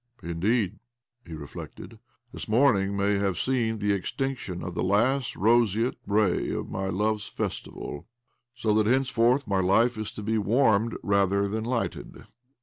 " Indeed," he reflected, " this morning may have seen the extinction of the last roseate ray of love's festival— sp_ that henceforth my life is to be warmed rather than lighted.